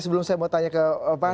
sebelum saya mau tanya ke pak